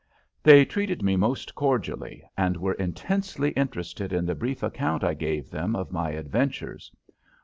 They treated me most cordially and were intensely interested in the brief account I gave them of my adventures.